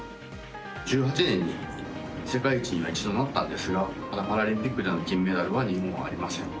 １８年に世界一には１度、なったんですがまだパラリンピックでの金メダルは日本はありません。